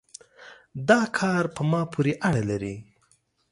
دا کار په ما پورې اړه لري